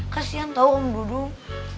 kasian tau om dung